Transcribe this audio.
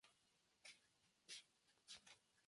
Se desconoce por completo su vida.